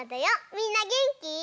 みんなげんき？